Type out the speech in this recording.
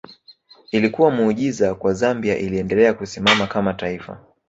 Ilikuwa muujiza kwa Zambia iliendelea kusimama kama taifa